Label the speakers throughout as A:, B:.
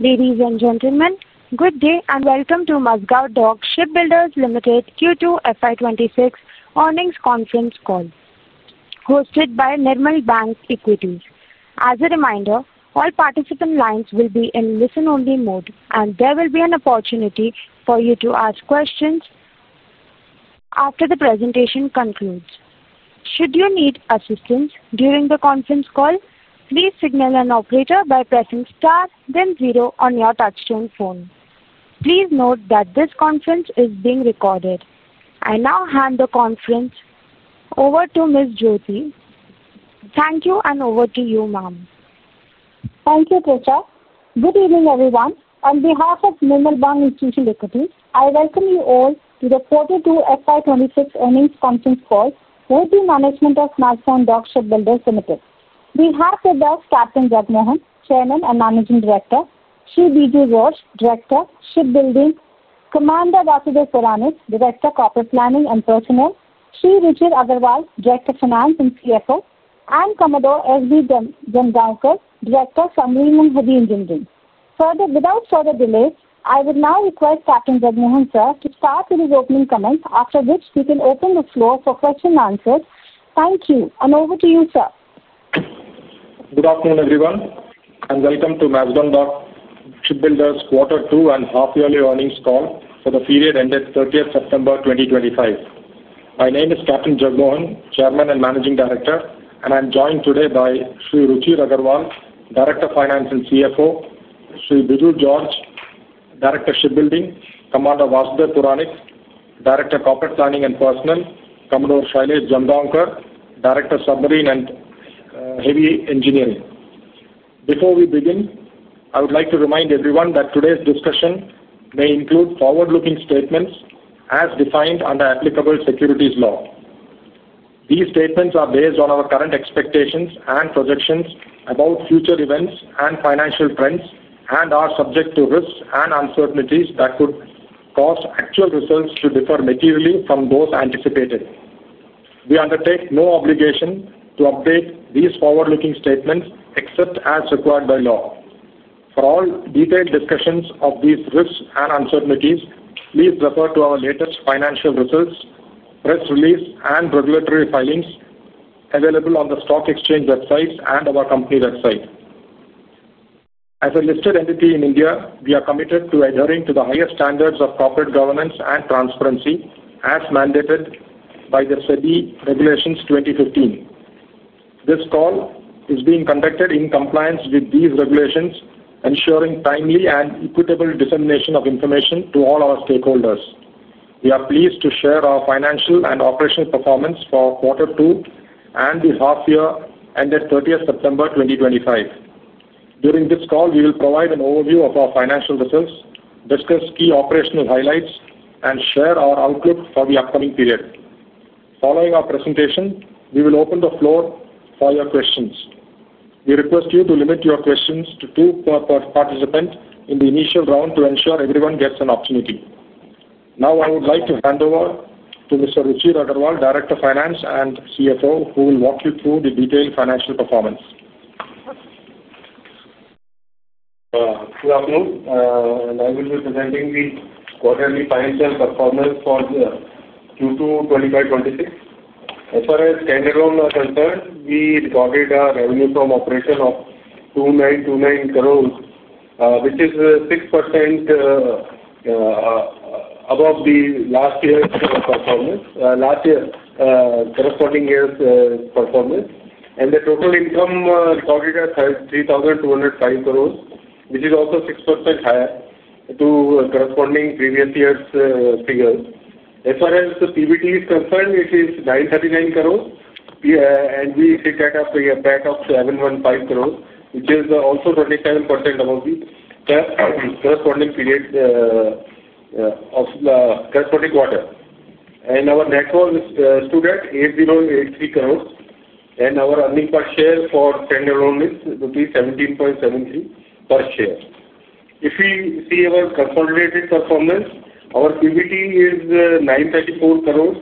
A: Ladies and gentlemen, good day and welcome to Mazagon Dock Shipbuilders Limited Q2 FY 2026 earnings conference call hosted by Nirmal Bang Equities. As a reminder, all participant lines will be in listen-only mode and there will be an opportunity for you to ask questions after the presentation concludes. Should you need assistance during the conference call, please signal an operator by pressing star then zero on your touch-tone phone. Please note that this conference is being recorded. I now hand the conference over to Ms. Jyoti. Thank you. And over to you, ma'am.
B: Thank you, Trisha. Good evening everyone. On behalf of Nirmal Bang Institutional Equities, I welcome you all to the Q2 FY 2026 earnings conference call with the management of Mazagon Dock Shipbuilders Limited. We have with us Captain Jagmohan, Chairman and Managing Director; Shri Biju George, Director, Shipbuilding; Commander Vasudev Puranik, Director, Corporate Planning and Personnel; Ruchir Agrawal, Director, Finance and CFO; and Commodore S.B. Jamgaonkar, Director, Submarine and Heavy Engineering. Without further delay, I would now request Captain Jagmohan sir to start with his opening comments after which we can open the floor for questions. Thank you. And over to you, sir.
C: Good afternoon everyone and welcome to Mazagon Dock Shipbuilders Limited Quarter 2 and half yearly earnings call for the period ended 30th September 2025. My name is Captain Jagmohan, Chairman and Managing Director and I'm joined today by Shri Ruchir Agrawal, Director, Finance and CFO, Shri Biju George, Director, Shipbuilding, Commander Vasudev Puranik, Director, Corporate Planning and Personnel, Commodore Shailesh Jamgaonkar, Director, Submarine and Heavy Engineering. Before we begin, I would like to remind everyone that today's discussion may include forward looking statements as defined under applicable securities law. These statements are based on our current expectations and projections about future events and financial trends and are subject to risks and uncertainties that could cause actual results to differ materially from those anticipated. We undertake no obligation to update these forward looking statements except as required by law. For all detailed discussions of these risks and uncertainties, please refer to our latest financial results, press release and regulatory filings available on the Stock Exchange website and our company website. As a listed entity in India, we are committed to adhering to the highest standards of corporate governance and transparency as mandated by the SEBI Regulations 2015. This call is being conducted in compliance with these regulations, ensuring timely and equitable dissemination of information to all our stakeholders. We are pleased to share our financial and operational performance for Quarter 2 and the half year ended 30th September 2025. During this call we will provide an overview of our financial results, discuss key operational highlights and share our outlook for the upcoming period. Following our presentation, we will open the floor for your questions. We request you to limit your questions to two per participant in the initial round to ensure everyone gets an opportunity. Now I would like to hand over to Mr. Ruchir Agrawal, Director, Finance and CFO, who will walk you through the detailed financial performance.
D: Good afternoon. I will be presenting the quarterly financial performance for Q2 2025-26. As far as standalone are concerned, we recorded our revenue from operation of INR 2,929 crore, which is 6% above the last year's performance, last year corresponding year's performance, and the total income recorded at 3,205 crore, which is also 6% higher to corresponding previous year's figures. As far as the PBT is concerned, it is 939 crore, and we sit at a PAT of 715 crore, which is also 27% above the PBT corresponding period of corresponding quarter, and our net worth stood at 8,083 crore, and our earning per share for standalone is rupees 17.73 per share. If we see our consolidated performance, our PBT is 934 crore,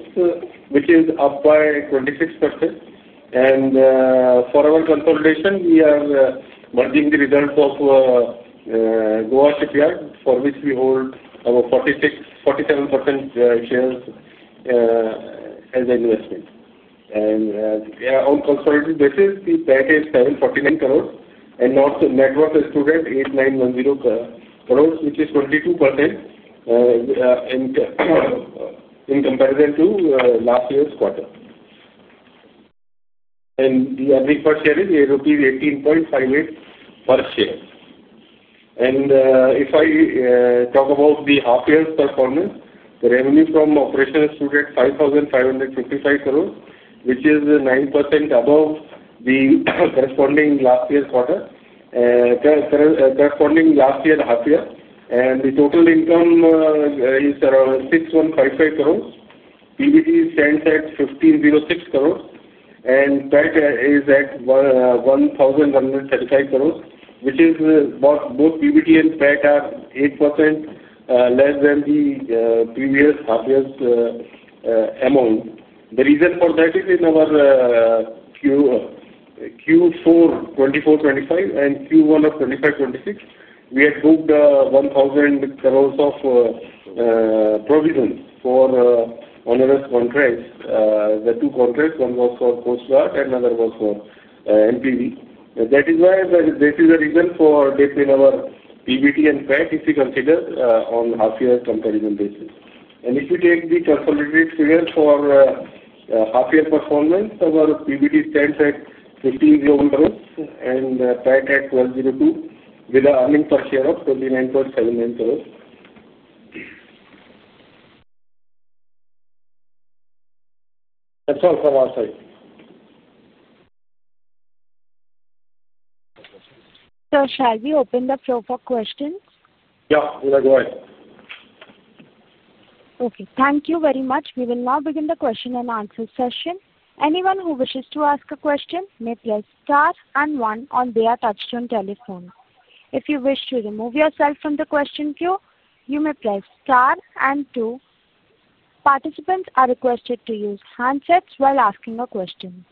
D: which is up by 26%. For our consolidation, we are merging the results of Goa Shipyard, for which we hold our 46%-47% shares as investment, and on consolidated basis, the PAT is 749 crore, and our net worth stood at 8,910 crore, which is 22% in comparison to last year's quarter, and the earning per share is rupees 18.58 per share. If I talk about the half year's performance, the revenue from operations stood at 5,555 crore, which is 9% above the corresponding last year's quarter, corresponding last year half year, and the total income is around 6,155 crore. PBT stands at 1,506 crore, and PAT is at 1,135 crore, which is both PBT and PAT are 8% less than the previous half year's amount. The reason for that is in our Q4 2024-2025 and Q1 of 2025-2026, we had booked 1,000 crore of provisions for onerous contracts. The two contracts, one was for Coast Guard and another was for MPV. That is why this is the reason for dip in our PBT and PAT, if you consider on half year comparison basis. If you take the consolidated figure for half year performance, our PBT stands at 1,500 crore rupees and PAT at 1,202 crore, with an earning per share of 29.79 rupees.
C: That's all from our side.
A: Shall we open the floor for questions?
C: Yeah, go ahead.
A: Okay. Thank you very much. We will now begin the question and answer session. Anyone who wishes to ask a question, kindly press one on their touchstone telephone. If you wish to remove yourself from the question queue, you may press star. Participants are requested to use handsets while asking a question.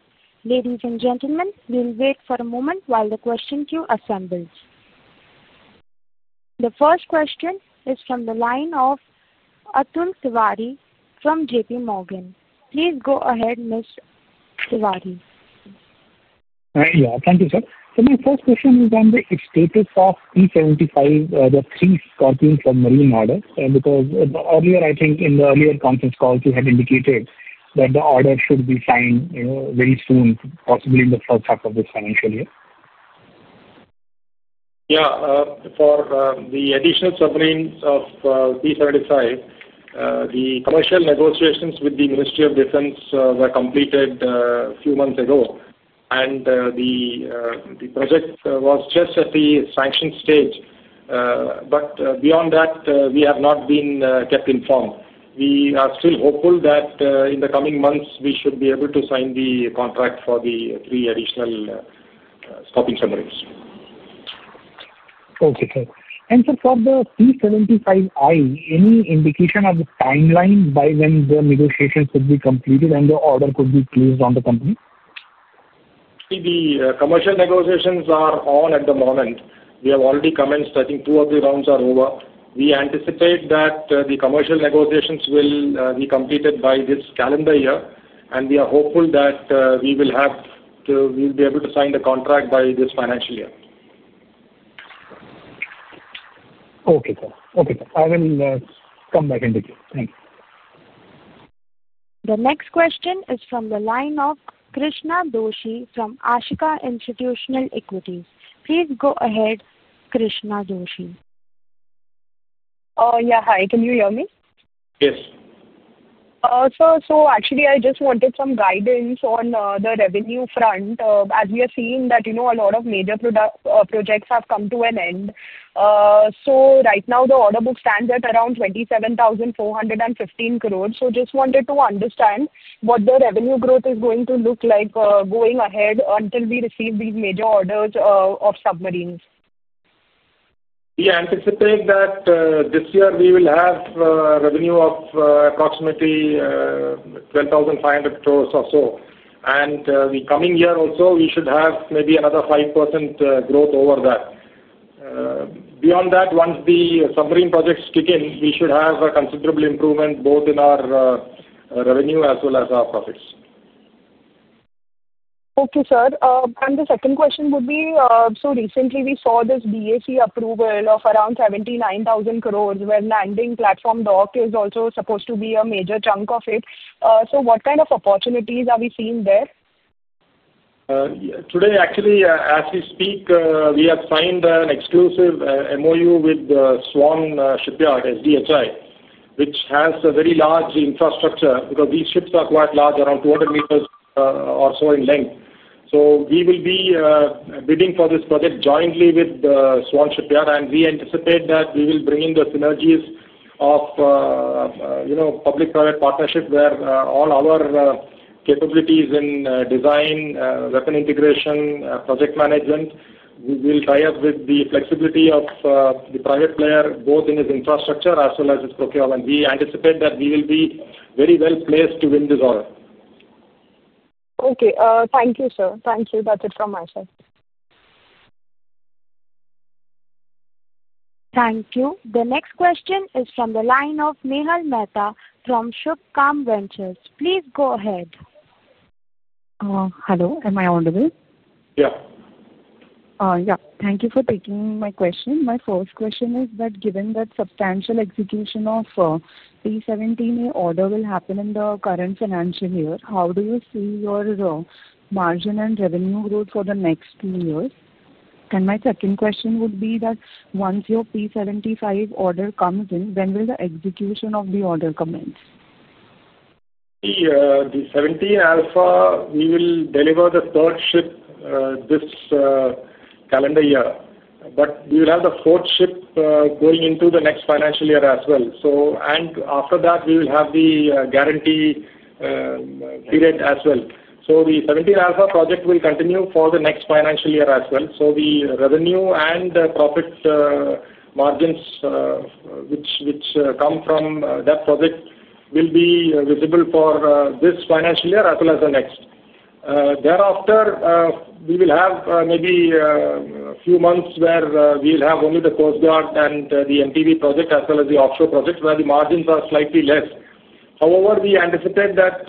A: Ladies and gentlemen, we will wait for a moment while the question queue assembles. The first question is from the line of Atul Tiwari from JPMorgan. Please go ahead, Mr. Tiwari.
E: Yeah, thank you, sir. My first question is on the status of P75, the three Scorpene-class submarine order. Because earlier, I think in the earlier conference calls you had indicated that the order should be signed very soon, possibly in the first half of this financial year.
C: Yeah. For the additional submarines of P75, the commercial negotiations with the Ministry of Defense were completed a few months ago. The project was just at the sanction stage. Beyond that, we have not been kept informed. We are still hopeful that in the coming months we should be able to sign the contract for the three additional Scorpene-class submarines.
E: Okay, sir. For the P75 (I), any indication of the timeline by when the negotiations will be completed and the order could be placed on the company?
C: The commercial negotiations are on at the moment. We have already commenced. I think two of the rounds are over. We anticipate that the commercial negotiations will be completed by this calendar year. We are hopeful that we will be able to sign the contract by this financial year.
E: Okay, I will come back. Thank you.
A: The next question is from the line of Krishna Doshi from Ashika Institutional Equities. Please go ahead, Krishna Doshi.
F: Hi. Can you hear me?
C: Yes.
F: Sir, I just wanted some guidance on the revenue front as we are seeing that, you know, a lot of major product projects have come to an end. Right now the order book stands at around 27,415. I just wanted to understand what the revenue growth is going to look like going ahead until we receive these major orders of submarines.
C: We anticipate that this year we will have revenue of approximately 12,500 crore or so. The coming year also we should have maybe another 5% growth over that. Beyond that, once the submarine projects kick in, we should have a considerable improvement both in our revenue as well as our profits.
F: Okay, sir. The second question would be, recently we saw this BAC approval of around 79,000 crore, where Landing Platform Dock is also supposed to be a major chunk of it. What kind of opportunities are we seeing there?
C: Actually, as we speak, we have signed an exclusive MoU with Swan Shipyard, which has a very large infrastructure because these ships are quite large, around 200 meters or so in length. We will be bidding for this project jointly with Swan Shipyard. We anticipate that we will bring in the synergies of public private partnership, where all our capabilities in design, weapon integration, project management will tie up with the flexibility of the private player, both in his infrastructure as well as his procurement. We anticipate that we will be very well placed to win this order.
F: Okay, thank you, sir. Thank you. That's it from my side.
A: Thank you. The next question is from the line of Nehal Mehta from Shubkam Ventures. Please go ahead.
G: Hello, am I audible?
C: Yeah.
G: Yeah. Thank you for taking my question. My first question is that given that substantial execution of P17 order will happen in the current financial year, how do you see your margin and revenue growth for the next two years? My second question would be that once your P75 order comes in, when will the execution of the order commence?
C: The P17A, we will deliver the third ship this calendar year, but we will have the fourth ship going into the next financial year as well. So after that, we will have the guarantee period as well. The P17A project will continue for the next financial year as well. The revenue and profit margins which come from that project will be visible for this financial year as well as the next. Thereafter, we will have maybe a few months where we will have only the Coast Guard and the MPV project, as well as the offshore project where the margins are slightly less. However, we anticipate that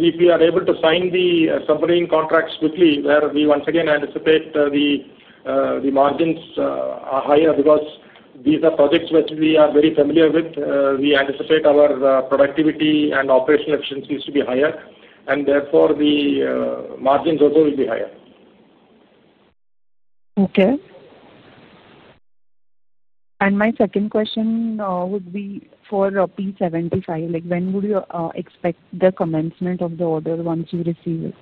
C: if we are able to sign the submarine contracts quickly, where we once again anticipate the margins are higher, because these are projects which we are very familiar with, we anticipate our productivity and operational efficiency to be higher, and therefore the margins also will be higher.
G: Okay, and my second question would be for P75. Like, when would you expect the commencement of the order once you receive it?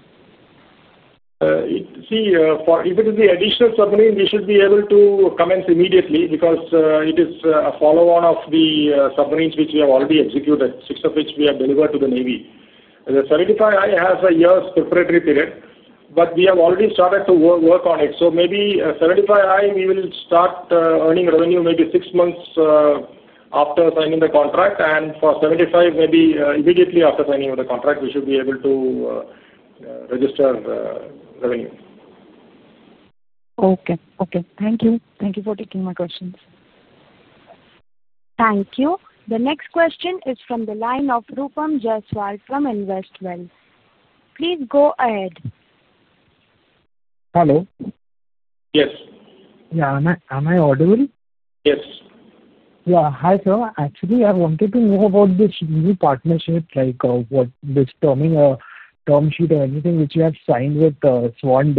C: See, if it is the additional submarine, we should be able to commence immediately because it is a follow-on of the submarines which we have already executed, six of which we have delivered to the Navy. The 75 (I) has a year's preparatory period, but we have already started to work on it. 75 (I) will start earning revenue maybe six months after signing the contract. For 75, maybe immediately after signing of the contract, we should be able to register revenue.
G: Okay. Okay, thank you. Thank you for taking my questions.
A: Thank you. The next question is from the line of Rupam Jaiswal from INVESTWELL. Please go ahead.
H: Hello.
C: Yes.
H: Yes. Hi sir. Actually, I wanted to know about this new partnership. What is this terming a term sheet or anything which you have signed with Swan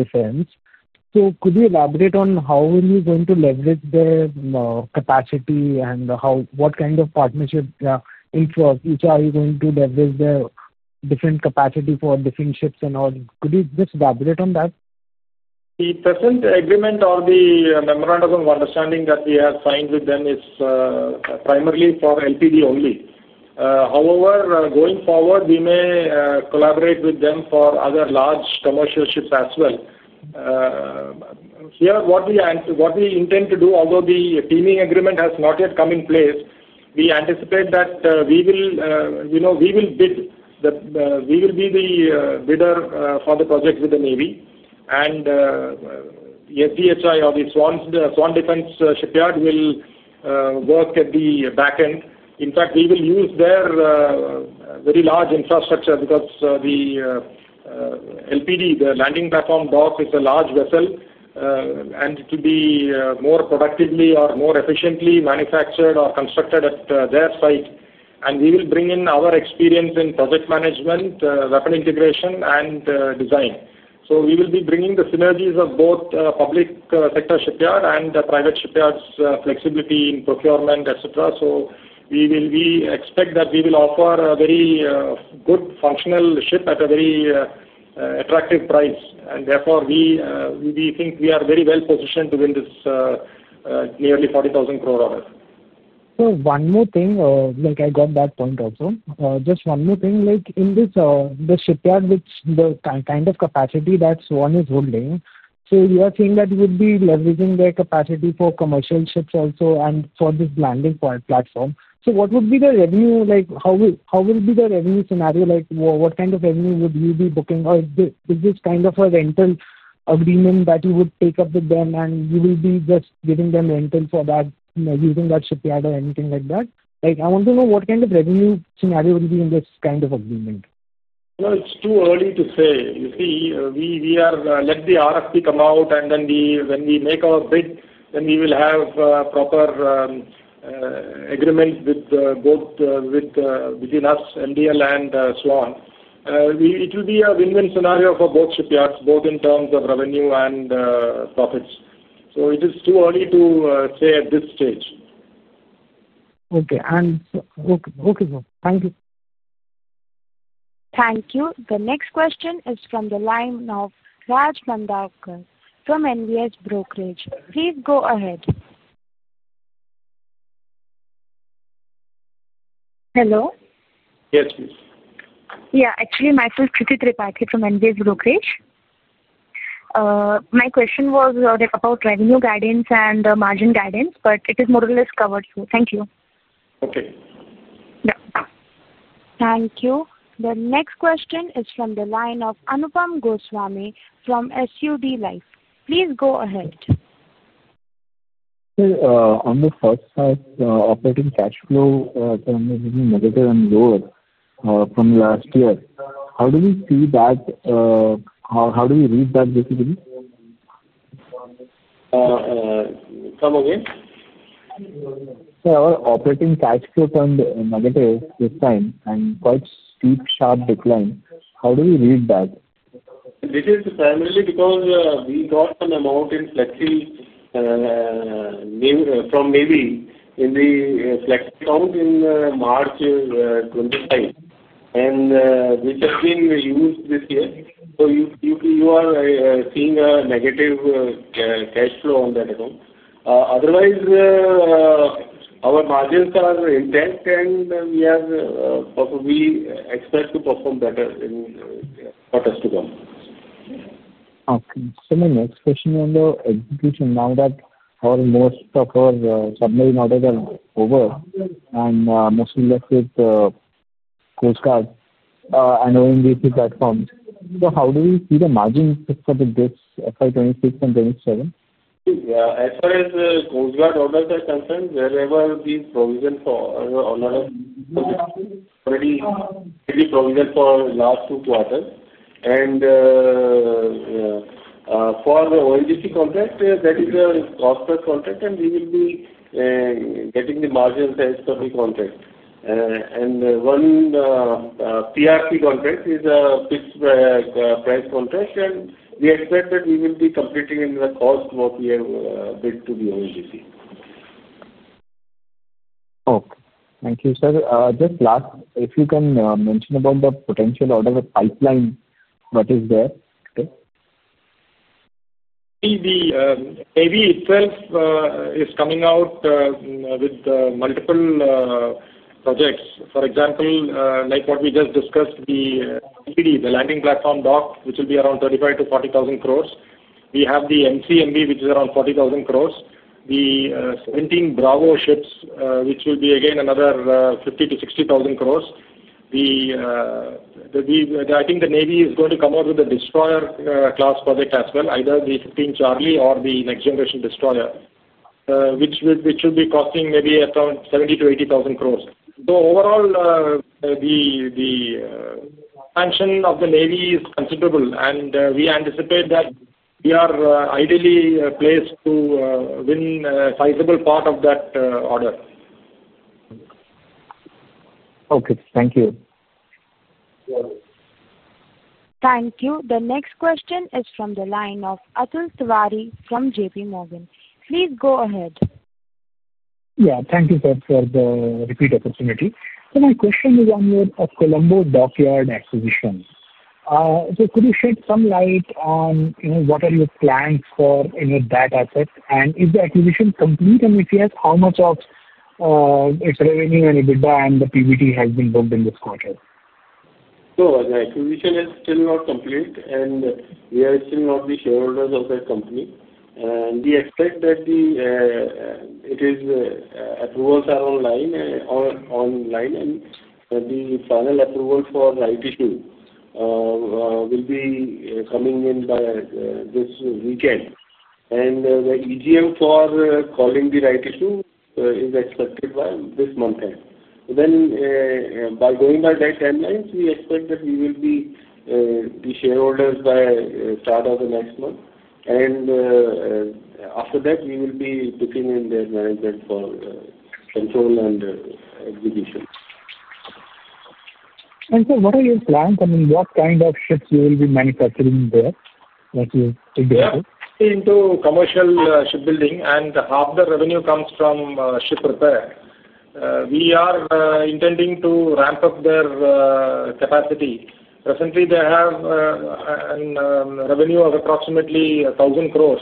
H: Defence? Could you elaborate on how you are going to leverage the capacity and what kind of partnership you are going to leverage? Their different capacity for different ships and all. Could you just elaborate on that?
C: The present agreement or the memorandum of understanding that we have signed with them is primarily for LPD only. However, going forward we may collaborate with them for other large commercial ships as well. Here, what we intend to do, although the teaming agreement has not yet come in place, we anticipate that we will bid. We will be the bidder for the project with the Navy and [DHI] or the Swan Defence Shipyard will work at the back end. In fact, we will use their very large infrastructure because the LPD, the Landing Platform Dock, is a large vessel and to be more productively or more efficiently manufactured or constructed at their site. We will bring in our experience in project management, weapon integration, and design. We will be bringing the synergies of both public sector shipyard and private shipyards, flexibility in procurement, etc. We expect that we will offer a very good functional ship at a very attractive price. Therefore, we think we are very well positioned to win this nearly 40,000 crore order.
H: One more thing, I got that point also. In this, the shipyard, the kind of capacity that Swan is holding, you are saying that you would be leveraging their capacity for commercial ships also and for this Landing Duck Platform. What would be the revenue? How will the revenue scenario be? What kind of revenue would you be booking? Is this kind of a rental agreement that you would take up with them and you will be just giving them rental for that, using that shipyard or anything like that? I want to know what kind of revenue scenario will be in this kind of agreement.
C: No, it's too early to say. You see, we are letting the RFP come out, and then when we make our bid, then we will have property agreement between us. MDL and Swan. It will be a win-win scenario for both shipyards, both in terms of revenue and profits. It is too early to say at this stage.
H: Okay, thank you.
A: Thank you. The next question is from the line of Raj Mandavkar from NVS Brokerage. Please go ahead.
I: Hello.
C: Yes, please.
I: Yeah, actually myself from NVS Brokerage. My question was about revenue guidance and margin guidance. It is more or less covered. Thank you.
C: Okay.
A: Thank you. The next question is from the line of Anupam Goswami from SUD Life. Please go ahead.
J: On the first side, operating cash flow negative and lower from last year. How do we see that? How do we read that?
C: Come again?
J: Our operating cash flow turned negative this time, and quite steep sharp decline. How do we read that?
C: This is primarily because we got some amount in flexi from Navy in the flex account in March 2025, which has been used this year. You are seeing a negative cash flow on that account. Otherwise, our margins are intact and we expect to perform better in quarters to come.
J: Okay, so my next question on the execution. Now that almost all of our submarine orders are over and mostly left with Coast Guard and [OMVP] platforms, how do we see the margin for the dis, FY 2026 and 2027?
C: As far as Coast Guard orders are concerned. Wherever these provision for the provision for last two quarters and for the ONGC contract, that is a cost per contract and we will be getting the margins as per the contract. One PRP contract is a bit price contract and we expect that we will be completing in the cost of your bid to the ONGC.
J: Okay, thank you sir. Just last, if you can mention about the potential out of the pipeline. What is there?
C: The Navy itself is coming out with multiple projects. For example, like what we just discussed, the Landing Platform Dock which will be around 35,000 crore-40,000 crore. We have the [MCMB] which is around 40,000 crore. The 17 Bravo ships which will be again another 50,000 crore-60,000 crore. I think the Navy is going to come out with a destroyer class project as well, either the P15B or the next generation destroyer which will be costing maybe around 70,000 crore-80,000 crore. Overall, the function of the Navy is considerable and we anticipate that we are ideally placed to win a sizable part of that order.
J: Okay, thank you.
A: Thank you. The next question is from the line of Atul Tiwari from JPMorgan. Please go ahead.
E: Yeah, thank you sir for the repeat opportunity. My question is on your Colombo Dockyard acquisition. Could you shed some light on what are your plans for that asset and is the acquisition complete? If yes, how much of its revenue and EBITDA and the PBT has been booked in this quarter.
D: The acquisition is still not complete and we are still not the shareholders of that company. We expect that the IT approvals are online and the final approval for rights issue will be coming in by this weekend. The [EGM] for calling the rights issue is expected by this month end. By going by that time, we expect that we will be the shareholders by start of the next month. After that we will be looking in their management for control and execution.
E: What are your plans? I mean, what kind of ships will you be manufacturing there?
C: Into commercial shipbuilding. Half the revenue comes from ship repair. We are intending to ramp up their capacity. Recently they have revenue of approximately 1,000 crore.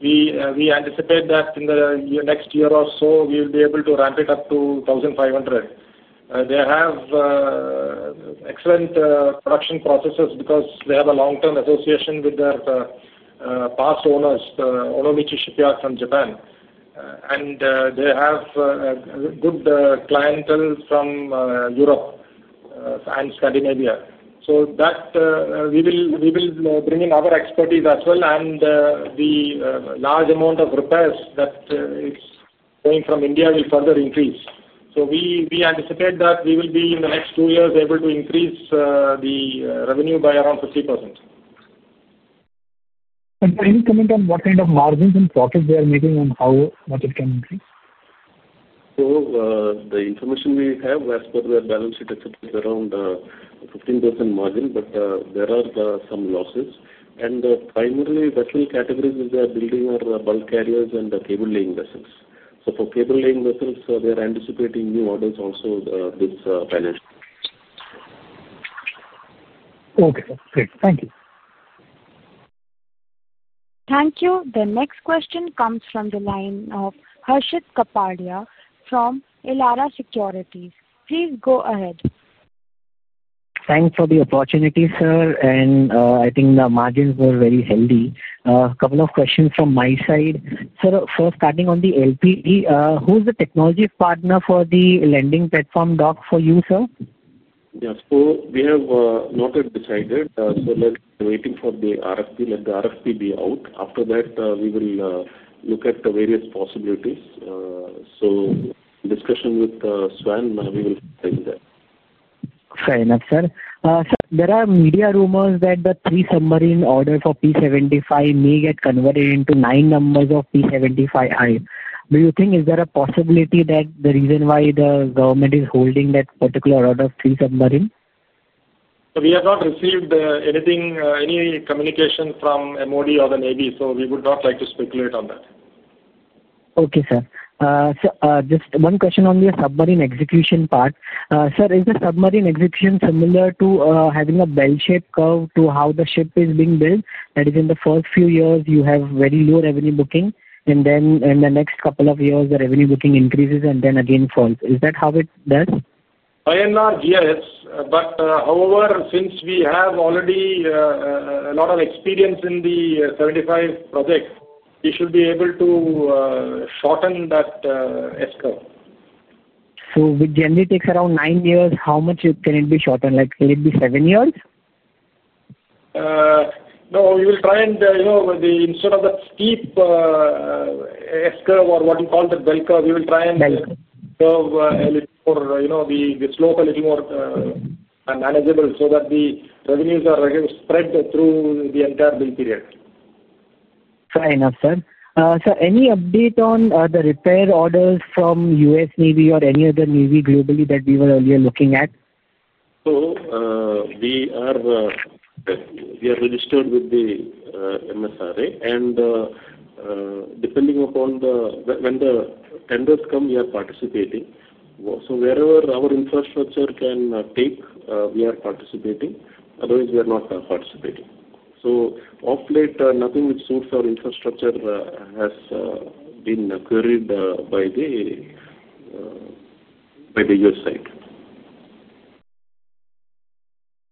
C: We anticipate that in the next year or so we will be able to ramp it up to 1,500 crore. They have excellent production processes because they have a long-term association with their past owners, Onomichi Shipyard from Japan, and they have good clientele from Europe and Scandinavia. We will bring in our expertise as well. The large amount of repairs that is going from India will further increase. We anticipate that we will be in the next two years able to increase the revenue by around 50%.
E: Can you comment on what kind of margins and profit they are making, and how much it can increase?
D: The information we have as per their balance sheet is around 15% margin. There are some losses, and primarily vessel categories which they are building are bulk carriers and cable laying vessels. For cable laying vessels, they are anticipating new orders of also this panel.
E: Okay, thank you.
A: Thank you. The next question comes from the line of Harshit Kapadia from Elara Securities. Please go ahead.
K: Thanks for the opportunity, sir. I think the margins were very healthy. A couple of questions from my side. First, starting on the LPD. Who is the technology partner for the Landing Platform Dock for you, sir?
D: Yes, we have not decided, waiting for the RFP. Let the RFP be out. After that, we will look at the various possibilities. Discussion with Swan, we will.
K: Fair enough sir, there are media rumors that the three submarine order for P75 may get converted into nine numbers of P75. Do you think is there a possibility that the reason why the government is holding that particular order?
C: We have not received any communication from the Navy or from Modi. We would not like to speculate on that.
K: Okay. Sir, just one question. On the submarine execution part, sir, is the submarine execution similar to having a bell shape to how the ship is being built? That is, in the first few years you have very low revenue booking, and then in the next couple of years the revenue booking increases and then again falls. Is that how it does?
C: By and large, yes, however, since we have already a lot of experience in the Project 75, we should be able to shorten that escrow.
K: It generally takes around nine years. How much can it be shortened? Like, will it be seven years?
C: No, we will try and, you know, instead of that steep S curve or what you call the bell curve, we will try and, you know, make the slope a little more manageable so that the revenues are spread through the entire build period.
K: Fine. Up, sir. Any update on the repair order from the U.S. Navy or any other navy globally that we were earlier looking at?
D: We are registered with the MSRA and depending upon when the tenders come, we are participating. Wherever our infrastructure can take, we are participating. Otherwise, we are not participating. Off late, nothing which is suitable for infrastructure has been queried by the U.S. side.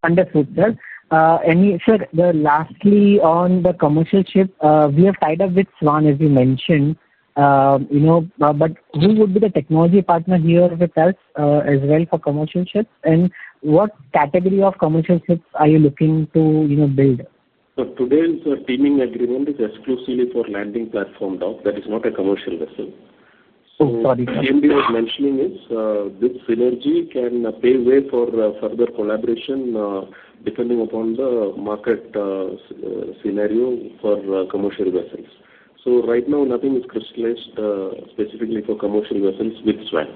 K: Understood, sir. Lastly, on the commercial ship we have tied up with Swan as you mentioned, you know, who would be the technology partner here with us as well for commercial ships? What category of commercial ships are you looking to, you know, build?
D: Today's teaming agreement is exclusively for Landing Platform Dock. That is not a commercial vessel. Mentioning is this synergy can pave way for further collaboration depending upon the market scenario for commercial vessels. Right now nothing is crystallized specifically for commercial vessels with Swan.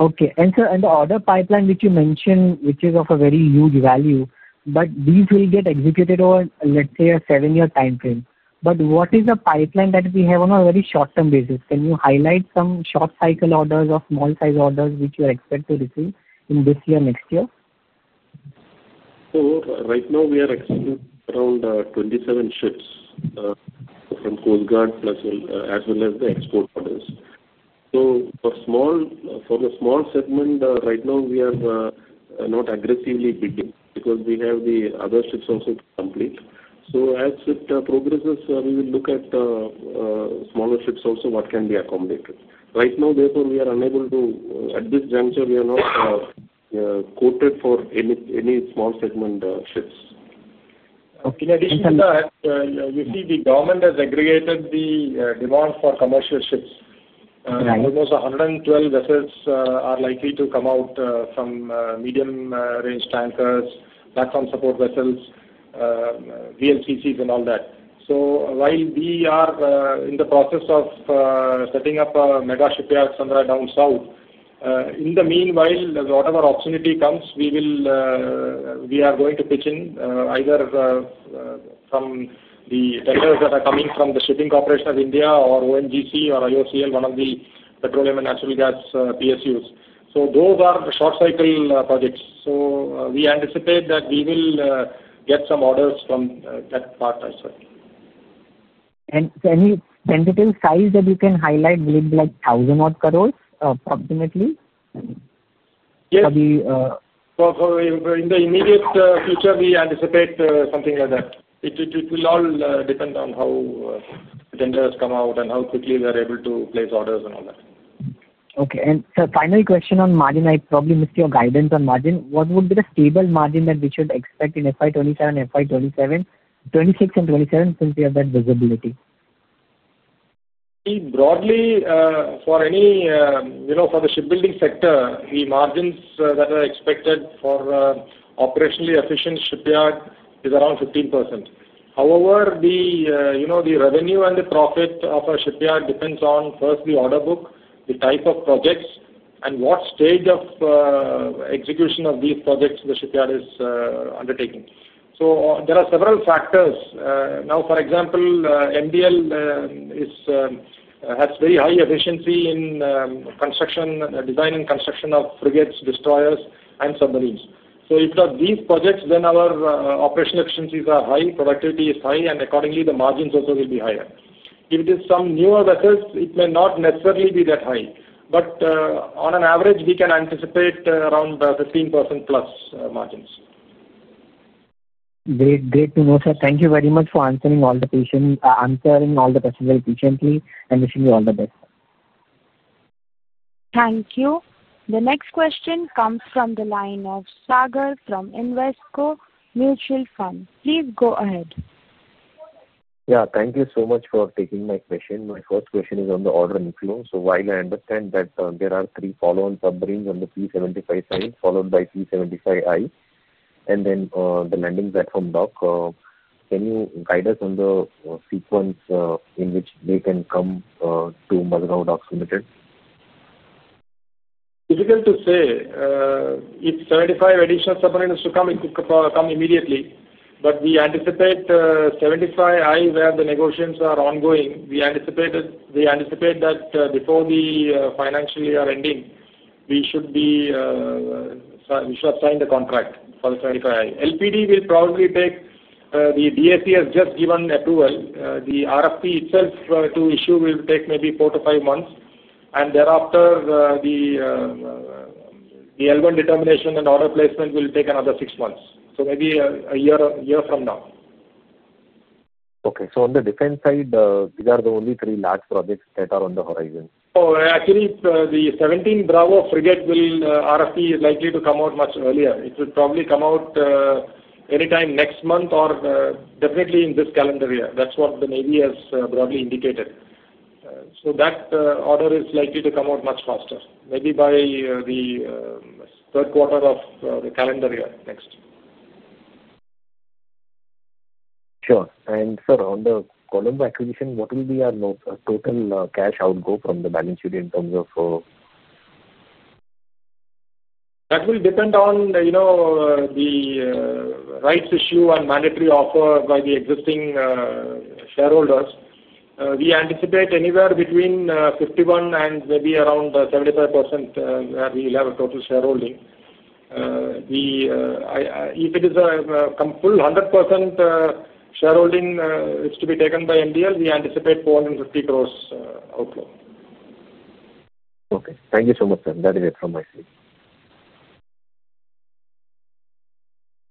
K: Okay. The order pipeline which you mentioned is of a very huge value, but these will get executed over let's say a seven year time frame. What is the pipeline that we have on a very short term basis? Can you highlight some short cycle orders or small size orders which you expect to receive in this year or next year?
D: Right now we are expecting around 27 ships from Coast Guard as well as the export orders. For the small segment, right now we are not aggressively bidding because we have the other ships also to complete. As it progresses, we will look at smaller ships also, what can be accommodated right now. Therefore, we are unable to, at this juncture, we are not quoted for any small segment.
C: In addition to that, you see, the government has aggregated the demand for commercial ships. Almost 112 vessels are likely to come out from medium range tankers, platform supply vessels, VLCC and all that. While we are in the process of setting up a mega shipyard, [Sandra] down south in. In the meanwhile, whatever opportunity comes, we are going to pitch in either from the tenders that are coming from the Shipping Corporation of India or ONGC or IOCL, one of the petroleum and natural gas PSUs. Those are short cycle projects. We anticipate that we will get some orders from that part as well.
K: Is there any tentative size that you can highlight, like 1,000 crore approximately?
C: In the immediate future, we anticipate something like that. It will all depend on how tenders come out and how quickly we are able to place orders and all that.
K: Okay, the final question on margin, I probably missed your guidance on margin. What would be the stable margin that we should expect in FY 2027? FY 2026 and FY 2027 since we have that visibility.
C: Broadly for the shipbuilding sector, the margins that are expected for an operationally efficient shipyard is around 15%. However, the revenue and the profit of a shipyard depends on first the order book, the type of projects, and what stage of execution of these projects the shipyard is undertaking. There are several factors. For example, MDL has very high efficiency in design and construction of frigates, destroyers, and submarines. If it are these projects, then our operational efficiencies are high, productivity is high, and accordingly the margins also will be higher. If it is some newer vessels, it may not necessarily be that high, but on an average we can unlock around 15%+ margins.
K: Great, great to know, sir. Thank you very much for answering all the questions, answering all the questions patiently. Wishing you all the best.
A: Thank you. The next question comes from the line of Sagar from Invesco Mutual Fund. Please go ahead.
L: Yeah, thank you so much for taking my question. My first question is on the order influence. While I understand that there are three follow-on submarines on the P75 side followed by the Landing Platform Dock, can you guide us on the sequence in which they can come to Mazagon Dock Limited.
C: Difficult to say if 75 additional submarines to come. It could come immediately. We anticipate 75 (I) where the negotiations are ongoing. We anticipate that before the financial year ending we should have signed the contract for the 75 (I). LPD will probably take longer. The DSE has just given approval. The RFP itself to issue will take maybe four to five months, and thereafter the L1 determination and order placement will take another six months. Maybe a year from now.
L: Okay, on the defense side, these are the only three large projects that are on the horizon.
C: Actually, the P17B Frigate RFP is likely to come out much earlier. It will probably come out anytime next month or definitely in this calendar year. That's what the Navy has broadly indicated. That order is likely to come out much faster, maybe by the third quarter of the calendar year.
L: Next. Sure. Sir, on the Colombo acquisition, what will be our total cash outgo from the balance sheet in terms of.
C: That will depend on the rights issue and mandatory offer by the existing shareholders. We anticipate anywhere between 51% and maybe around 75% where we will have a total shareholding. If it is a full 100% shareholding to be taken by MDL, we anticipate 450 crore outlook.
L: Okay, thank you so much. That is it from my seat.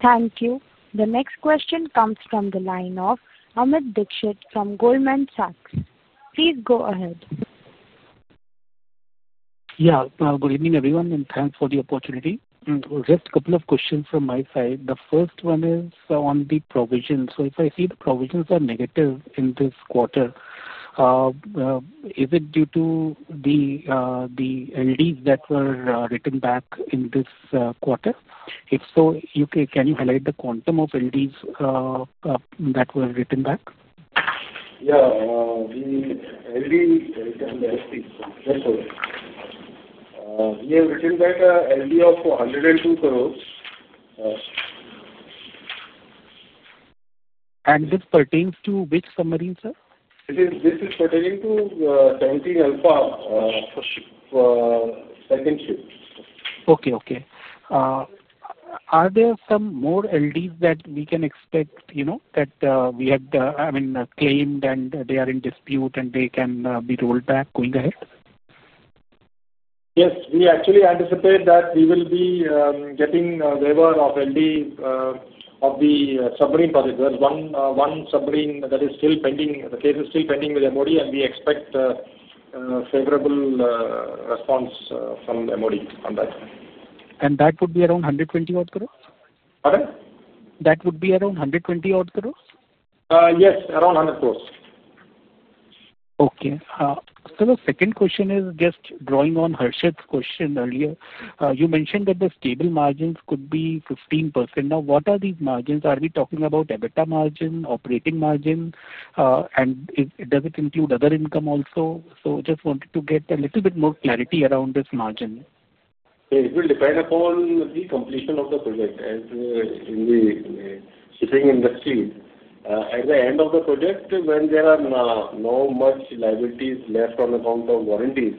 A: Thank you. The next question comes from the line of Amit Dixit from Goldman Sachs. Please go ahead.
M: Good evening everyone and thanks for the opportunity. Just a couple of questions from my side. The first one is on the provision. If I see the provisions are negative in this quarter, is it due to the LDs that were written back in this quarter? If so, can you highlight the quantum of LDs that were written back?
D: We have written that LD of 102 crore.
M: This pertains to which submarine, sir?
D: It is. This is pertaining to P17A second ship.
M: Okay. Are there some more LDs that we can expect? You know that we had, I mean, claimed and they are in dispute and they can be rolled back going ahead?
D: Yes, we actually anticipate that we will be getting waiver of LD of the submarine project. There's one submarine that is still pending. The case is still pending with [Modi], and we expect favorable response from the [Modi] on that.
M: That would be around 120 crore.
D: Pardon?
M: That would be around 120 crore.
D: Yes, around 100 crore.
M: Okay. The second question is just drawing on Harshit's question earlier. You mentioned that the stable margins could be 15%. What are these margins? Are we talking about EBITDA margin, operating margin, and does it include other income also? I just wanted to get a little bit more clarity around this margin.
D: It will depend upon the completion of the project shipping industries at the end of the project when there are not much liabilities left on account of warranties.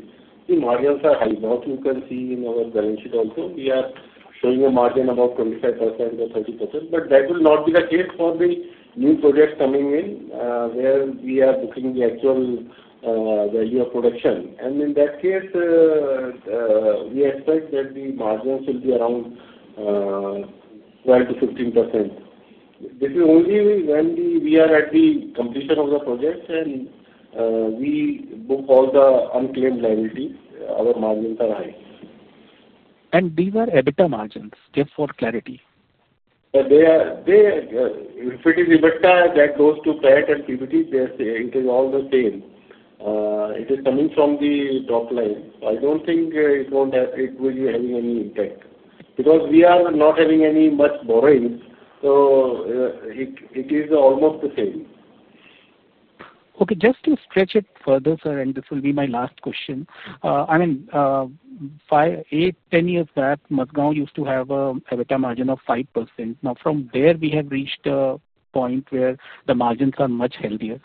D: The margins are high. Now you can see in our balance sheet also we are showing a margin about 25% or 30%. That will not be the case for the new projects coming in where we are booking the actual value of production. In that case we expect that our margins will be around 12%-15%. This is only when we are at the completion of the project and we book all the unclaimed liabilities. Our margins are high.
M: These are EBITDA margins. Just for clarity.
D: If it is EBITDA that goes to plant and PBT, they say it is all the same, it is coming from the top line. I don't think it will be having any impact because we are not having any much borrowing. It is almost the same.
M: Okay, just to stretch it further, sir, and this will be my last question. I mean, 8, 10 years back, Mazagon used to have an EBITDA margin of 5%. Now, from there, we have reached a point where the margins are much healthier.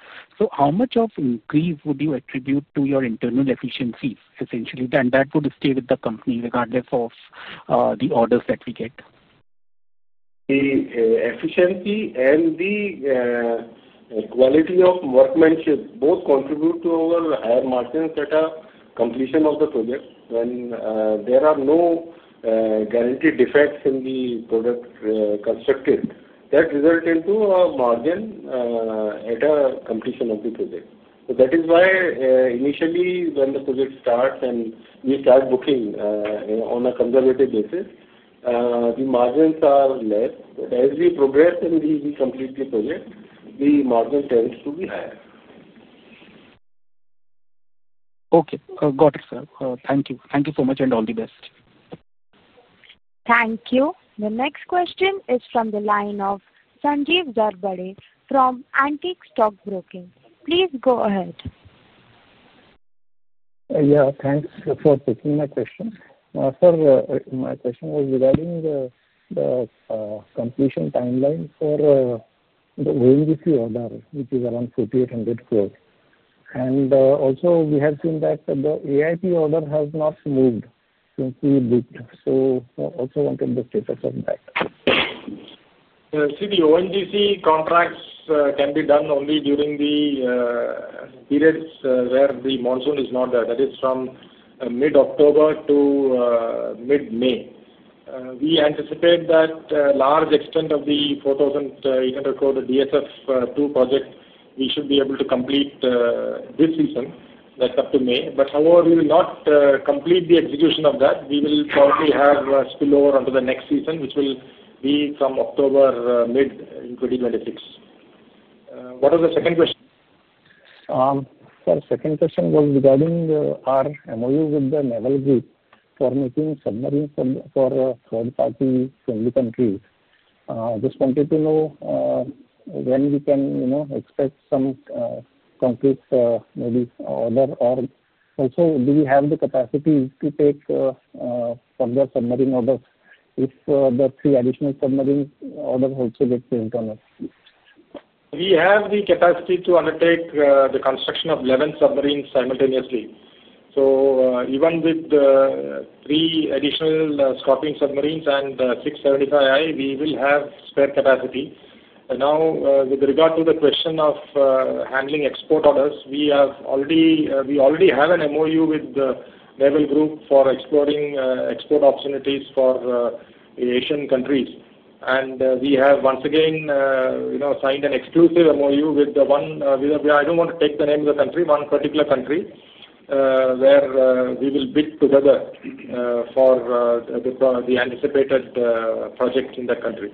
M: How much of the increase would you attribute to your internal efficiencies? Essentially, then, that would stay with the company regardless of the orders that we get.
D: The efficiency and the quality of workmanship both contribute to our higher margins at a completion of the project. When there are no guaranteed defects in the product constructed, that results into a margin at a completion of the project. That is why initially when the project starts and we start booking on a conservative basis, the margins are less. As we progress and we complete the project, the margin tends to be higher.
M: Okay, got it, sir. Thank you. Thank you so much, and all the best.
A: Thank you. The next question is from the line of Sanjeev Zarbade from Antique Stock Broking. Please go ahead.
N: Yeah, thanks for taking my question. Sir, my question was regarding the completion timeline for the ONGC order which is around 4,800 crore. We have seen that the AIP order has not moved. One can just take a look at that.
C: See, the ONGC contracts can be done only during the periods where the monsoon is not there. That is from mid-October to mid-May. We anticipate that a large extent of the 4,800 crore DSF-II project we should be able to complete this season, that is up to May. However, we will not complete the execution of that. We will probably have spillover onto the next season, which will be from mid-October in 2026. What was the second question?
N: Second question was regarding our MoU with the Naval Group for making submarines for third party friendly countries. Just wanted to know when we can, you know, express some concrete maybe order, or also do we have the capacity to take further submarine orders if the three additional submarine order also gets internal.
C: We have the capacity to undertake the construction of 11 submarines simultaneously. Even with three additional Scorpene-class submarines and six 75 (I), we will have spare capacity. With regard to the question of handling export orders, we already have an MoU with Naval Group for exploring export opportunities for Asian countries. We have once again signed an exclusive MoU with one, I don't want to take the name of the country, one particular country where we will bid together for the anticipated project in the country.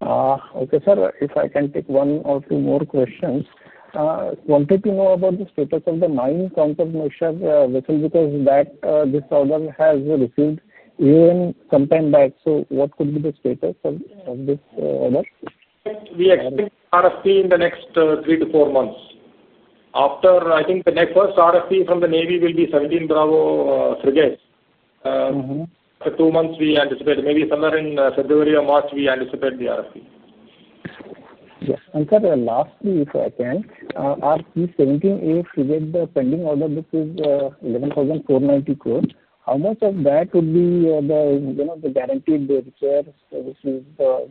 N: Okay sir, if I can take one or two more questions. Wanted to know about the status of the mine countermeasure vessel because this order has received even sometime back. What could be the status of this order?
C: We expect RFP in the next three to four months. After, I think the next RFP from the Navy will be P17 Bravo. The two months we anticipate maybe somewhere in February or March. We anticipate the RFP.
N: Yes. Sir, lastly, if I can, the P17A figure pending order, this is INR 11,490 crore. How much of that would be the, you know, the guaranteed shares, which is.
C: 10%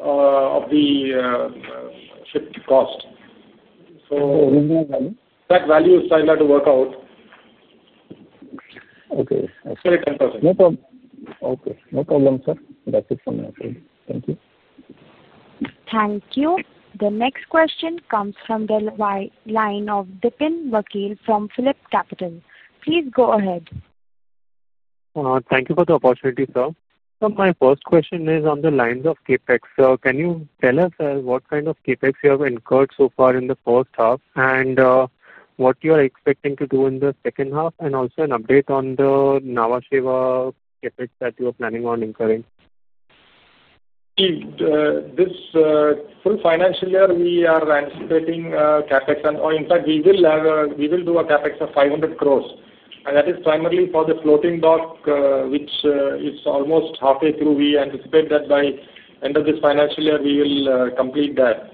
C: of the ship cost. That value is, I'll have to work out.
N: Okay. Okay, no problem, sir. That's it for me. Thank you.
A: Thank you. The next question comes from the line of Dipen Vakil from PhillipCapital. Please go ahead.
O: Thank you for the opportunity sir, my first question is on the lines of CapEx. Can you tell us what kind of CapEx you have incurred so far in the first half and what you are expecting to do in the second half? Also, an update on the Nhava Sheva CapEx that you are planning on incurring.
C: This full financial year, we are anticipating CapEx and, in fact, we will have a, we will do a CapEx of 500 crore and that is primarily for the floating dock, which is almost halfway through. We anticipate that by end of this financial year we will complete that.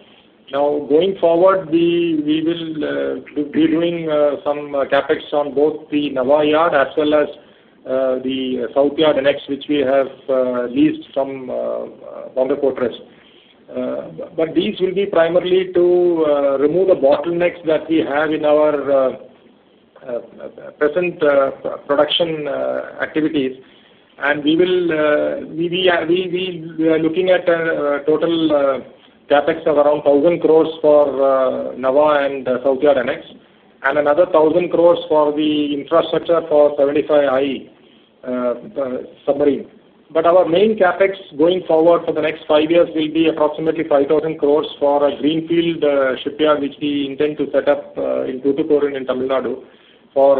C: Now, going forward, we will be doing some CapEx on both the Nhava Yard as well as the South Yard Annex, which we have leased from Bonga Port [Trust]. These will be primarily to remove the bottlenecks that we have in our. Present production activities. We are looking at total CapEx of around 1,000 crore for Nhava and South Yard Annex and another 1,000 crore for the infrastructure for 75 (I) submarine. Our main CapEx going forward for the next five years will be approximately 5,000 crore for a greenfield shipyard which we intend to set up in Tuticorin in Tamil Nadu for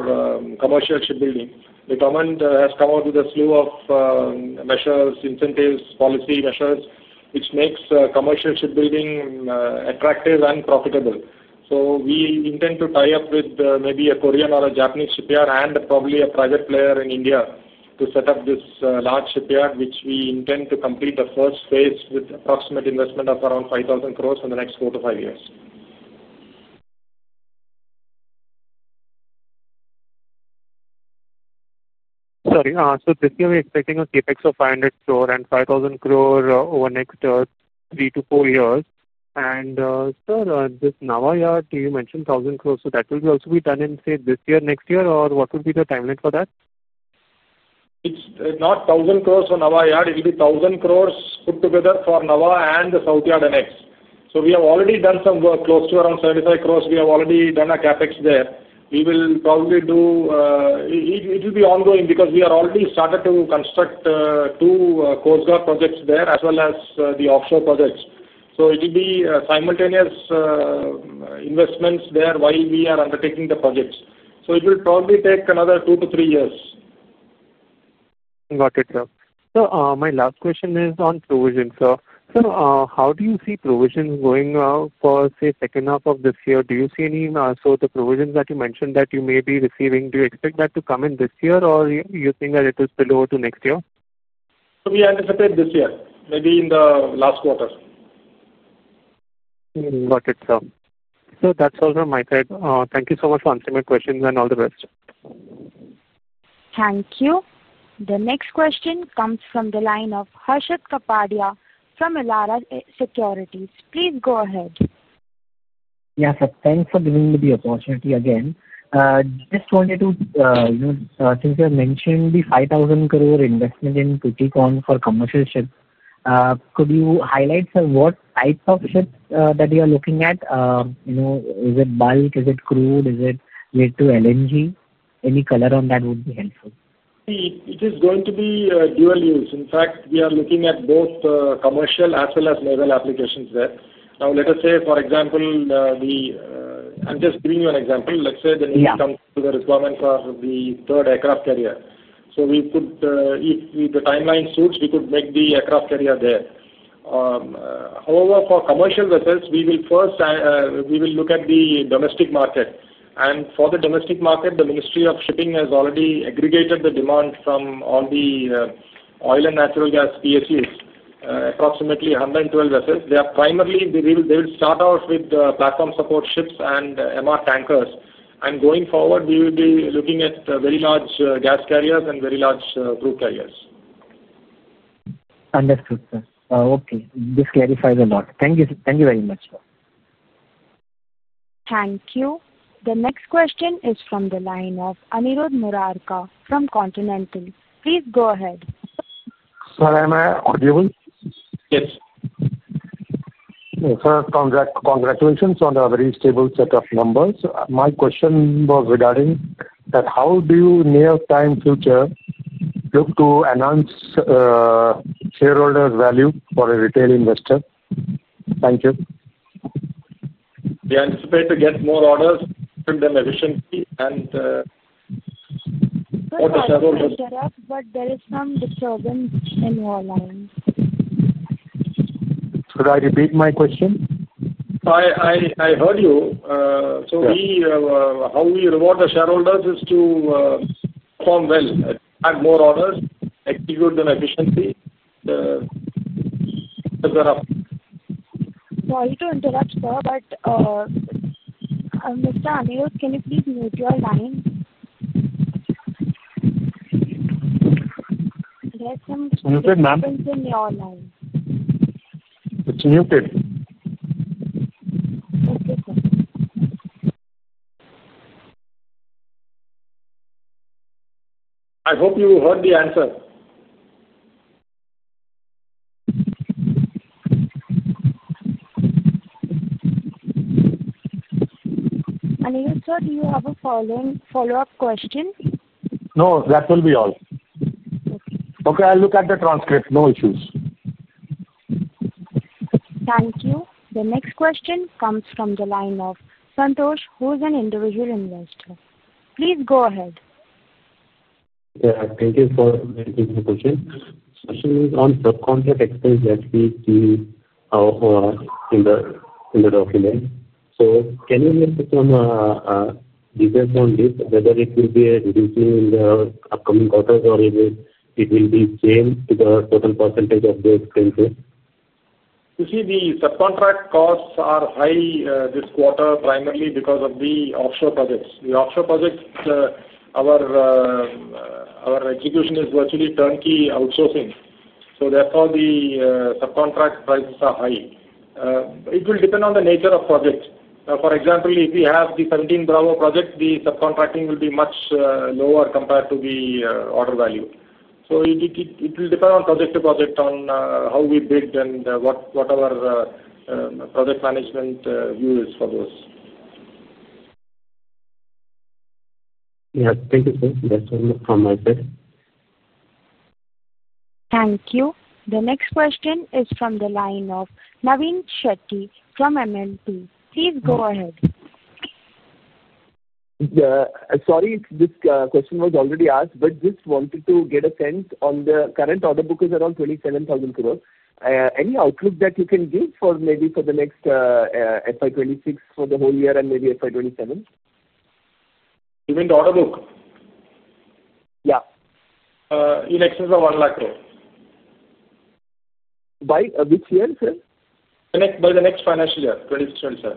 C: commercial shipbuilding. The government has come up with a slew of measures, incentives, and policy measures which makes commercial shipbuilding attractive and profitable. We intend to tie up with maybe a Korean or a Japanese shipyard and probably a private player in India to set up this large shipyard, which we intend to complete the first phase with approximate investment of around 5,000 crore in the next four to five years.
O: This year we're expecting a CapEx of 500 crore and 5,000 crore over the next three to four years. Sir, this new yard you mentioned 1,000 crore. Will that also be done in this year, next year, or what would be the timeline for that?
C: It's not 1,000 crore for the Nhava yard. It will be 1,000 crore put together for Nhava and the South Yard Annex. We have already done some work close to around 75 crore. We have already done a CapEx there. It will be ongoing because we have already started to construct two Coast Guard projects there as well as the offshore projects. It will be simultaneous investments there while we are undertaking the projects. It will probably take another two to three years.
O: Got it, sir. My last question is on provisions. How do you see provisions going for, say, the second half of this year? Do you see any? The provisions that you mentioned that you may be receiving, do you expect that to come in this year, or do you think that it is below to next year?
C: We anticipate this year, maybe in the last quarter.
O: Got it, sir. That's all from my side. Thank you so much for answering my questions and all the rest.
A: Thank you. The next question comes from the line of Harshit Kapadia from Elara Securities. Please go ahead.
K: Yes sir. Thanks for giving me the opportunity. Just wanted to, since you have mentioned the 5,000 crore investment in Tuticorin for commercial ships, could you highlight what types of ships that you are looking at? You know, is it bulk, is it crude, is it made to LNG? Any color on that would be helpful.
C: It is going to be dual use. In fact, we are looking at both commercial as well as naval applications there. Now, let us say, for example, the need comes to the requirement for the third aircraft carrier. We could, if the timeline suits, we could make the aircraft carrier there. However, for commercial vessels, we will first look at the domestic market. For the domestic market, the Ministry of Shipping has already aggregated the demand from all the oil and natural gas PSUs, approximately 112 vessels. They are primarily going to start off with platform supply vessels and MR tankers. Going forward, we will be looking at very large gas carriers and very large crude carriers.
K: Understood, sir. Okay. This clarifies a lot. Thank you. Thank you very much.
A: Thank you. The next question is from the line of Anirudh Murarka from Continental. Please go ahead.
P: Am I heard?
C: Yes.
P: Sir. Congratulations on a very stable set of numbers. My question was regarding that how do you near time future look to announce shareholder value for a retail investor? Thank you.
C: We anticipate to get more orders, print them efficiently.
A: There is some disturbance.
P: Could I repeat my question?
C: I heard you. How we reward the shareholders is to perform well, add more orders, and execute them efficiently.
A: Sorry to interrupt, sir. Mr. An, can you please mute your line.
P: It's muted.
C: I hope you heard the answer.
A: Have a following follow-up question?
P: No, that will be all. Okay, I'll look at the transcript. No issues.
A: Thank you. The next question comes from the line of Santosh, who's an individual investor. Please go ahead.
Q: Thank you. The question is on subcontract expense that we see in the document. Can you make some details on this? Whether it will be reducing in the upcoming quarters or whether it will be changed to the total percent of those claims.
C: You see the subcontract costs are high this quarter, primarily because of the offshore projects. The offshore projects, our execution is virtually turnkey outsourcing, so therefore the subcontract prices are high. It will depend on the nature of project. For example, if we have the P17B project, the subcontracting will be much lower compared to the order value. It will depend on project to project on how we bid and what our project management view is for those.
Q: Yeah. Thank you, sir. That's from my side.
A: Thank you. The next question is from the line of Naveen Shetty from [Nirmal Bang Institutional Equities]. Please go ahead.
R: Sorry, this question was already asked. Just wanted to get a sense on the current order book is around 27,000 crore. Any outlook that you can give for maybe for the next FY 2026 for the whole year and maybe FY 2027.
C: You mean the order book?
R: Yeah.
C: In excess of 100,000.
R: By which year?
C: Sir, by the next financial year. 2027, sir.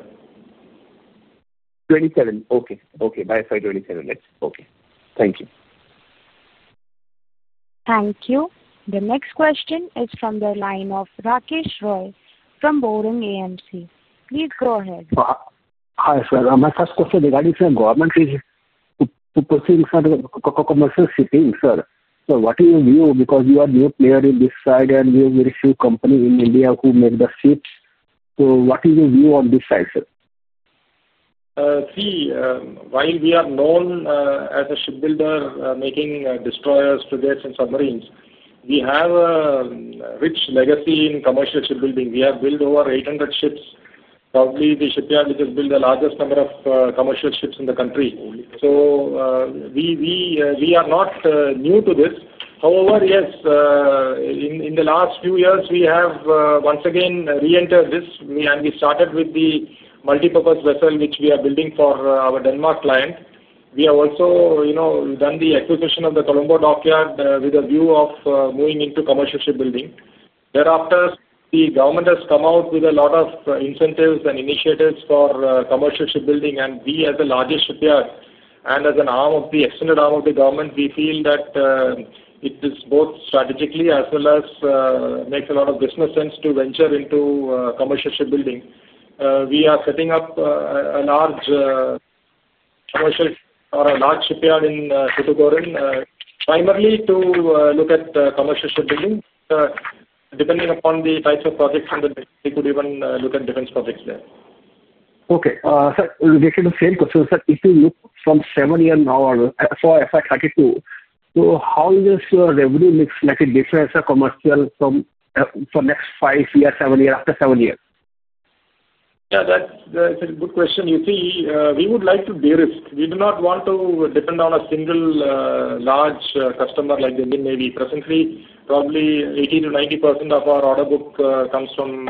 R: 2027. Okay. Okay. By 2027. Let's. Okay. Thank you.
A: Thank you. The next question is from the line of Rakesh Roy from [Boring AMC]. Please go ahead.
S: Hi sir. My first question regarding government is pursuing commercial sitting, sir. What is your view? Because you are a new player in this side, and we have very few companies in India who make the seats, what is your view on this [sitting]?
C: While we are known as a shipbuilder making destroyers, frigates, and submarines, we have a rich legacy in commercial shipbuilding. We have built over 800 ships, probably the shipyard which has built the largest number of commercial ships in the country. We are not new to this. However. Yes, in the last few years we have once again re-entered this and we started with the multi-purpose vessel which we are building for our Denmark client. We have also done the acquisition of the Colombo Dockyard with a view of moving into commercial shipbuilding thereafter. The government has come out with a lot of incentives and initiatives for commercial shipbuilding. We, as the largest shipyard and as an arm of the extended arm of the government, feel that it is both strategically as well as makes a lot of business sense to venture into commercial shipbuilding. We are setting up a large commercial or a large shipyard primarily to look at commercial shipbuilding. Depending upon the types of projects, we could even look at defense projects there.
S: Okay, the same question sir. If you look from 7 year now for FY 2032, how does your revenue mix like a difference of commercial from for next five years, seven years, after seven years?
C: That good question. You see, we would like to de-risk. We do not want to depend on a single large customer like the Indian Navy. Presently, probably 80%-90% of our order book comes from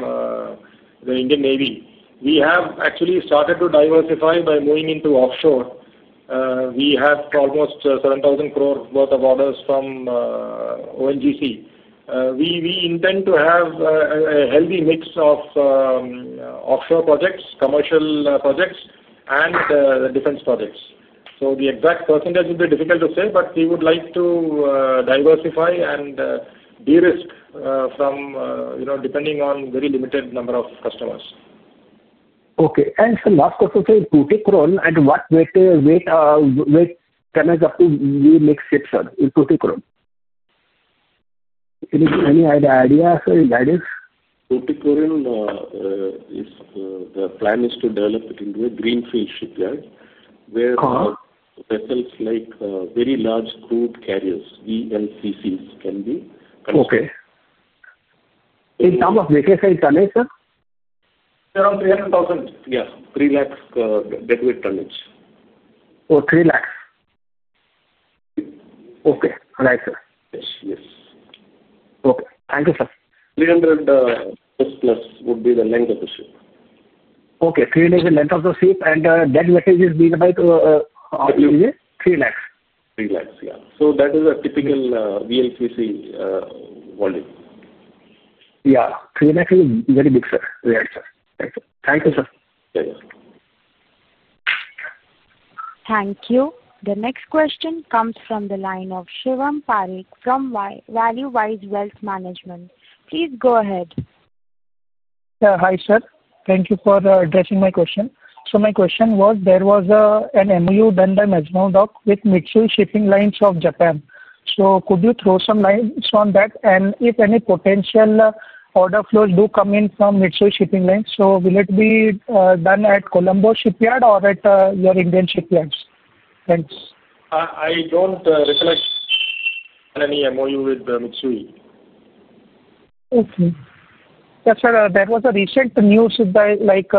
C: the Indian Navy. We have actually started to diversify by moving into offshore. We have almost 7,000 crore worth of orders from ONGC. We intend to have a healthy mix of offshore projects, commercial projects, and defense projects. The exact percentage would be difficult to say. We would like to diversify and de-risk from, you know, depending on a very limited number of customers.
S: Okay. Last question for [Goliath crane]. What. Any idea?
D: Is the plan to develop it into a greenfield shipyard where vessels like very large crude carriers, VLCC, can be.
S: Okay, in terms of [lifting] tonnage, sir.
C: Around 300,000 tonnage.
D: Yeah, 300,000 deadweight tonnage.
S: Or 300,000. Okay. Right sir.
D: Yes.
S: Okay, thank you, sir.
D: 300+ would be the length of the ship.
S: Okay, 300 is the length of the ship and that message is being by 300,000.
D: 300,000? Yeah. That is a typical VLCC volume.
S: Yeah, 300,000 is very big, sir. Thank you, sir.
A: Thank you. The next question comes from the line of Shivam Parikh from Value Wise Wealth Management. Please go ahead.
T: Hi sir, thank you for addressing my question. My question was there was an MoU done by Mazagon Dock with Mitsui Shipping Lines of Japan. Could you throw some lines on that, and if any potential order flows do come in from Mitsui Shipping Lines, will it be done at Colombo Shipyard or at your Indian shipyards? Thanks.
C: I don't recollect any MoU with Mitsui.
T: That was a recent news, by like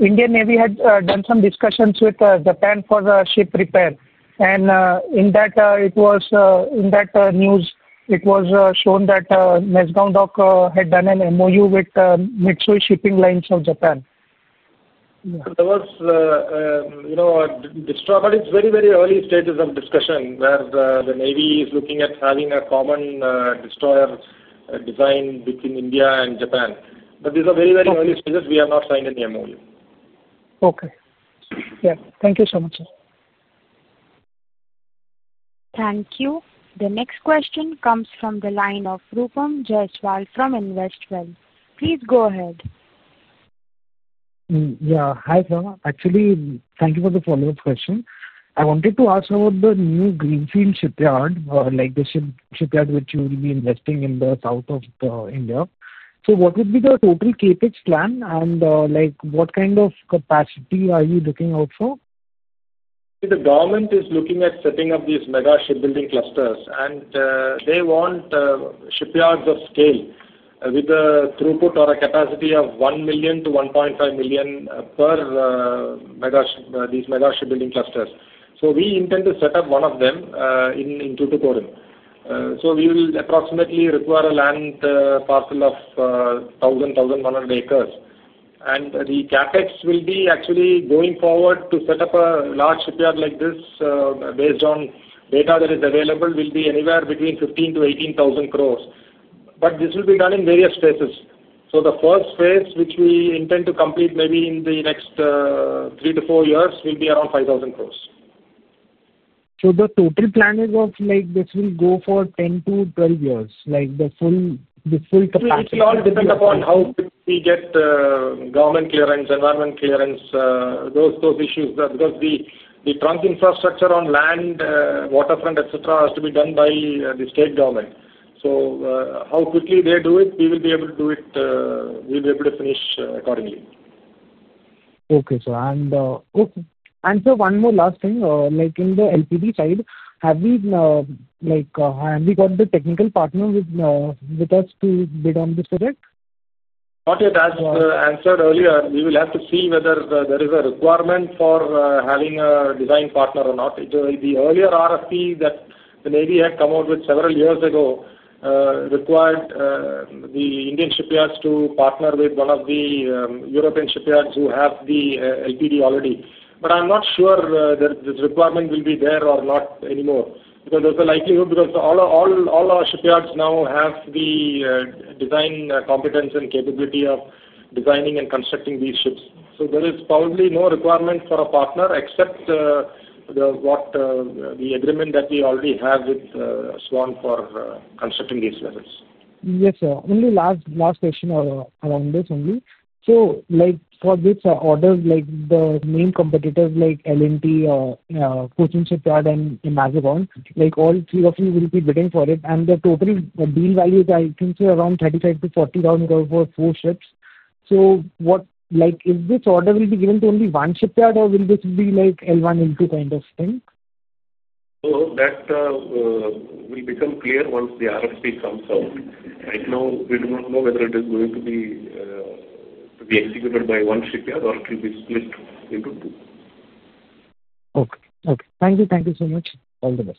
T: Indian Navy had done some discussions with Japan for the ship repair, and in that, it was, in that news it was shown that Mazagon Dock had done an MoU with Mitsui Shipping Lines of Japan.
C: There was, you know, it's very, very early stages of discussion where the Navy is looking at having a common destroyer design between India and Japan. These are very, very early stages. We are not signed in the MoU.
T: Okay, yeah. Thank you so much.
A: Thank you. The next question comes from the line of Rupam Jaiswal from INVESTWELL. Please go ahead.
H: Hi sir, actually thank you for the follow up question. I wanted to ask about the new greenfield shipyard or like the shipyard which you will be investing in the south of India. What would be the total CapEx plan and like what kind of capacity are you looking out?
C: The government is looking at setting up these mega shipbuilding clusters, and they want shipyards of scale with a throughput or a capacity of 1 million-1.5 million per mega, these mega shipbuilding clusters. We intend to set up one of them in Tuticorin. We will approximately require a land parcel of 1,000, and the CapEx will be, actually going forward, to set up a large shipyard like this based on data that is available, anywhere between 15,000 crore-18,000 crore. This will be done in various phases. The first phase, which we intend to complete maybe in the next three to four years, will be around 5,000 crore.
H: The total plan is like this will go for 10-12 years. It will fully depend upon how we.
C: Get government clearance, environment clearance, those issues because the trunk infrastructure on land, waterfront, etc. has to be done by the state government. How quickly they do it, we'll be able to do it. Be able to finish accordingly.
H: Okay sir. One more last thing, like in the LPD side, have we got the technical partner with us to bid on this project?
C: Not yet. As answered earlier, we will have to see whether there is a requirement for having a design partner or not. The earlier RFP that the Navy had come out with several years ago required the Indian shipyards to partner with one of the European shipyards who have the LPD already. I am not sure that this requirement will be there or not anymore, because there's a likelihood, as all our shipyards now have the design competence and capability of designing and constructing these ships. There is probably no requirement for a partner. Except the agreement that we already have with Swan for constructing these vessels.
H: Yes, sir. Only last question around this only. For these orders, the main competitors like L&T and all three of you will be bidding for it. The total deal value is around 35,000 crore-40,000 crore for four ships. Is this order going to be given to only one shipyard or will this be like L1 L2 kind of thing?
D: That will become clear once the RFC comes out. Right now we do not know whether it is going to be executed by one shipyard or it will be split into two.
H: Okay. Okay. Thank you. Thank you so much. All the best.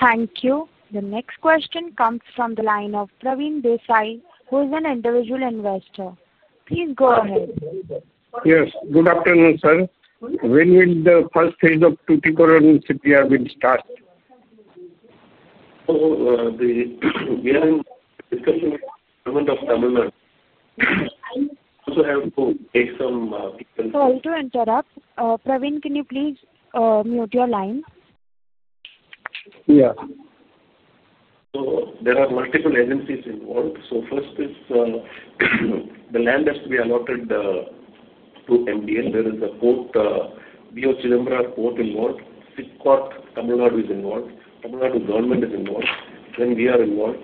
A: Thank you. The next question comes from the line of Praveen Desai who is an individual investor. Please go ahead.
U: Yes. Good afternoon, sir. When will the first phase of Tuticorin start?
A: Sorry to interrupt. Praveen, can you please mute your line?
U: Yeah.
D: There are multiple agencies involved. First is the land that we allotted to MDL. There is a port, VOC Port, involved, SIPCOT Tamil Nadu is involved, Tamil Nadu government is involved, then we are involved,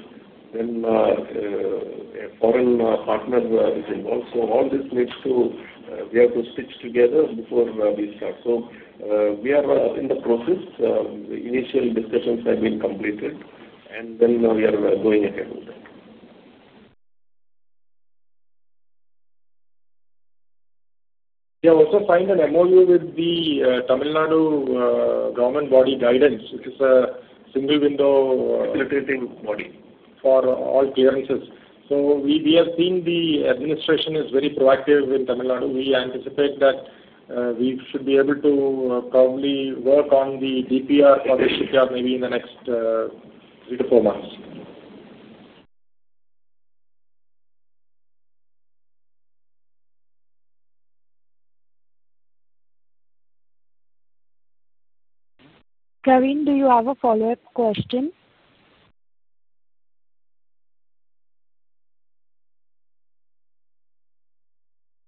D: then a foreign partner is involved. All this needs to be stitched together before we start. We are in the process. Initial discussions have been completed, and we are going ahead with that.
C: We have also signed an MoU with the Tamil Nadu government guidance body, which is a single window facilitating body for all clearances. We have seen the administration is very proactive in Tamil Nadu. We anticipate that we should be able to probably work on the DPR for the shipyard maybe in the next three to four months.
A: Praveen, do you have a follow-up question?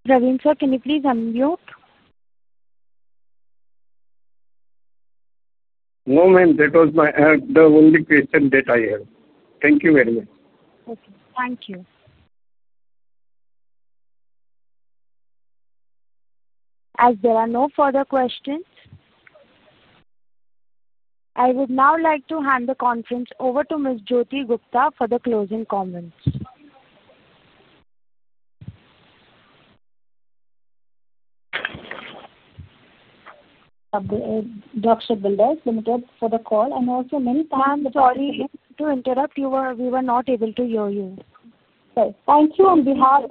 A: Praveen, sir, can you please unmute?
U: No, ma'am, that was my only question. Thank you very much.
A: Thank you. As there are no further questions, I would now like to hand the conference over to Ms. Jyoti Gupta for the closing comments
B: For the call.
A: Sorry to interrupt you. We were not able to hear you.
B: Thank you on behalf.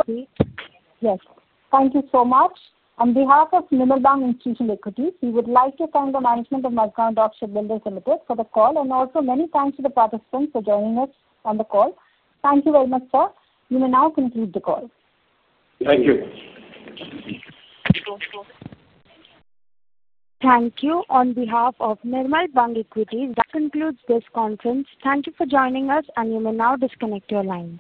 B: Yes, thank you so much. On behalf of Nirmal Bang Institutional Equities, we would like to thank the management of Mazagon Dock Shipbuilders Limited for the call. Also, many thanks to the participants for joining us on the call. Thank you very much, sir. You may now conclude the call.
D: Thank you.
A: Thank you. On behalf of Nirmal Bang Equities, that concludes this conference. Thank you for joining us. You may now disconnect your lines.